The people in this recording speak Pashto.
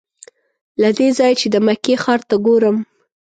له دې ځایه چې د مکې ښار ته ګورم.